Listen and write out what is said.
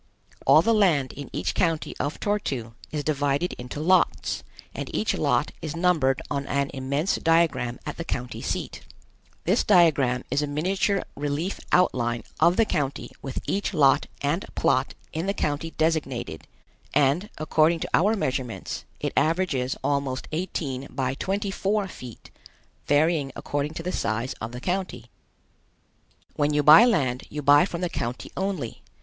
All the land in each county of Tor tu is divided into lots, and each lot is numbered on an immense diagram at the county seat. This diagram is a miniature relief outline of the county with each lot and plot in the county designated, and, according to our measurements, it averages almost eighteen by twenty four feet, varying according to the size of the county. When you buy land you buy from the county only.